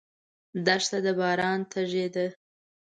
دښته د باران تږې ده.